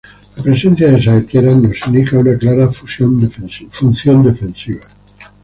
La presencia de saeteras nos indica una clara función defensiva.